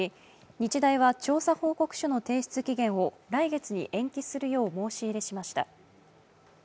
日大は調査報告書の提出期限を来月に延期するよう申し入れしました。